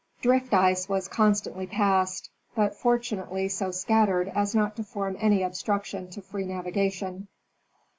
Drift ice was constantly passed, but fortunately so scattered as not to form any obstruction to free navigation.